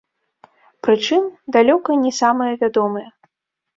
Прычым далёка не самыя вядомыя.